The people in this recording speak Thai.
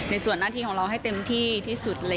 ส่วนหน้าที่ของเราให้เต็มที่ที่สุด